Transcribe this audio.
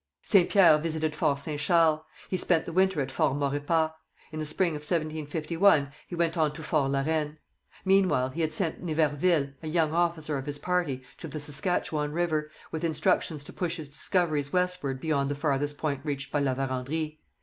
Saint Pierre visited Fort St Charles; he spent the winter at Fort Maurepas; in the spring of 1751 he went on to Fort La Reine. Meanwhile he had sent Niverville, a young officer of his party, to the Saskatchewan river, with instructions to push his discoveries westward beyond the farthest point reached by La Vérendrye.